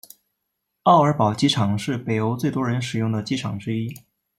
奥尔堡机场是北欧最多人使用的机场之一。